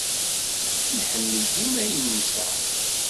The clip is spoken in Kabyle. Nḥemmel dima ayen nesɛa.